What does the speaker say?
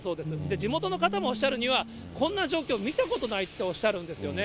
地元の方もおっしゃるには、こんな状況見たことないっておっしゃるんですよね。